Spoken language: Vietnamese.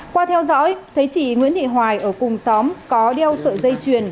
qua theo dõi thấy chị nguyễn thị hoài ở cùng xóm có đeo sợi dây chuyền